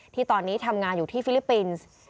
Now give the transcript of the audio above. ที่ตอนนี้ทำงานอยู่ที่ฟิลิปปินส์